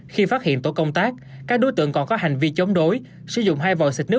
khi phát hiện tổ công tác các đối tượng còn có hành vi chống đối sử dụng hai vò xịt nước